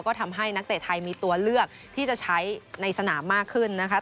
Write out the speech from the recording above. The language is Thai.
ก็ทำให้นักเตะไทยมีตัวเลือกที่จะใช้ในสนามมากขึ้นนะคะ